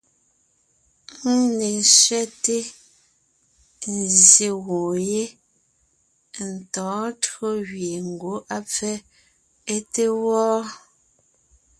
Ńne ńzẅɛte, nzsyè gwoon yé, ntɔ̌ɔn tÿǒ gẅie ngwɔ́ á pfɛ́ é te wó wɔ́,